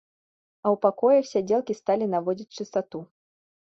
А ў пакоях сядзелкі сталі наводзіць чыстату.